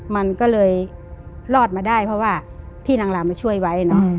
มันก็เลยรอดมาได้เพราะว่าพี่นางรามมาช่วยไว้เนอะ